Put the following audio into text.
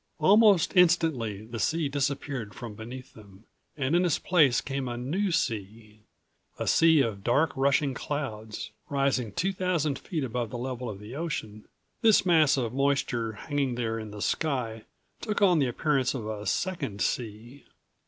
Almost instantly the sea disappeared from beneath them and in its place came a new sea; a sea of dark rushing clouds. Rising two thousand feet above the level of the ocean, this mass of moisture hanging there in the sky took on195 the appearance of a second sea.